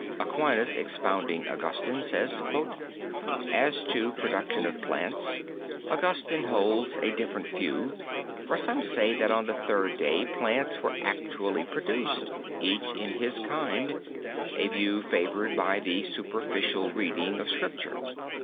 Aquinas, expounding Augustine, says: "As to production of plants, Augustine holds a different view, ... for some say that on the third day plants were actually produced, each in his kind a view favored by the superficial reading of Scripture.